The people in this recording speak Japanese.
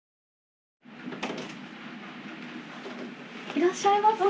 いらっしゃいませ。